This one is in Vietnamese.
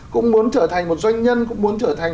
cũng muốn trở thành một doanh nhân cũng muốn trở thành